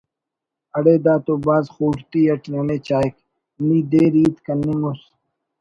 “ اڑے دا تو بھاز خوڑتی اٹ ننے چاہک…… ”نی دیر ہیت کننگ اس